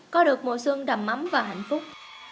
có được mùa xuân đầm mắm và hạnh phúc